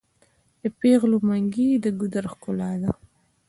د پیغلو منګي د ګودر ښکلا ده.